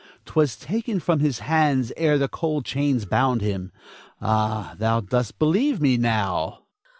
'Twas taken from his hands ere the cold chains bound them. Ah, thou dost believe me now!